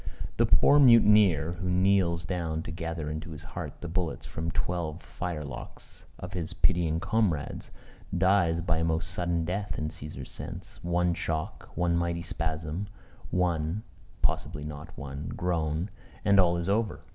The poor mutineer, who kneels down to gather into his heart the bullets from twelve firelocks of his pitying comrades, dies by a most sudden death in Cæsar's sense: one shock, one mighty spasm, one (possibly not one) groan, and all is over.